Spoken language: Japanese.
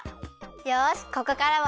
よしここからは。